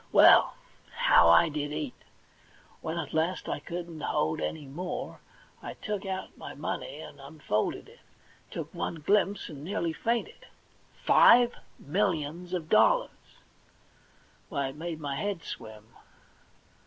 Well, how I did eat ! When at last I couldn't hold any more, I took out my money and unfolded it, took one glimpse and nearly fainted. Five millions of dollars ! Why, it made my head swim.